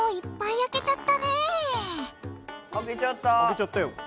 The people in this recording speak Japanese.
開けちゃったよ。